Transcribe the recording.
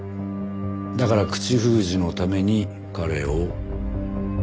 だから口封じのために彼を。